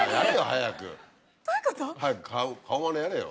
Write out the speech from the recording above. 早く顔マネやれよ。